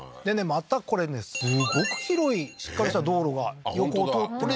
またこれねすごく広いしっかりした道路が横を通ってますね